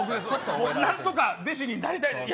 何とか弟子になりたいんです。